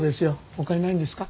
他にないんですか？